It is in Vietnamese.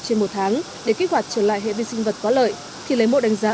trên một tháng để kết quả trở lại hệ vi sinh vật có lợi thì lấy mộ đánh giá